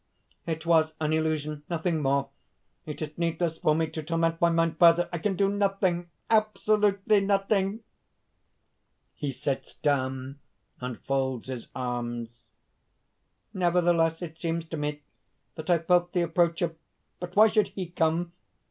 it was an illusion ... nothing more. It is needless for me to torment my mind further! I can do nothing! absolutely nothing." (He sits down and folds his arms.) "Nevertheless ... it seems to me that I felt the approach of.... But why should He come?